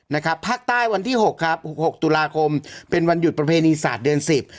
นะครับภาคใต้วันที่หกครับหกหกตุลาคมเป็นวันหยุดประเพณีศาสตร์เดือนสิบ